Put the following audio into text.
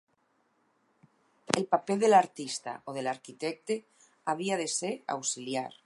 El paper de l'artista o de l'arquitecte havia de ser auxiliar.